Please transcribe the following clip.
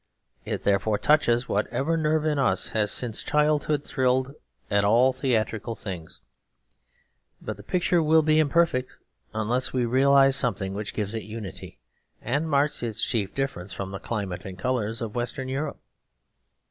It therefore touches whatever nerve in us has since childhood thrilled at all theatrical things. But the picture will be imperfect unless we realise something which gives it unity and marks its chief difference from the climate and colours of Western Europe.